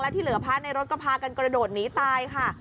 ที่เหลือพระในรถก็พากันกระโดดหนีตายค่ะ